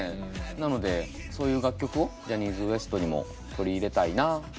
なのでそういう楽曲をジャニーズＷＥＳＴにも取り入れたいなっ。